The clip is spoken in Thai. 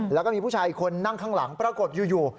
แล้วก็มีผู้ชายอีกคนนั่งข้างหลังปรากฏอยู่